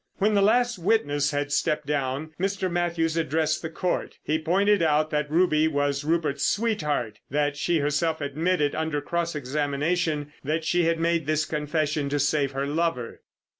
When the last witness had stepped down, Mr. Mathews addressed the Court. He pointed out that Ruby was Rupert's sweetheart, that she herself admitted, under cross examination; that she had made this confession to save her lover.